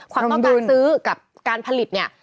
ความต้องการซื้อกับการผลิตเนี่ย